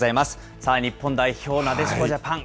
さあ、日本代表、なでしこジャパン。